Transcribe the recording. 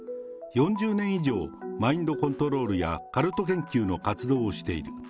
４０年以上、マインドコントロールやカルト研究の活動をしている。